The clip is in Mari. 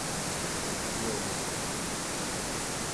Йодо: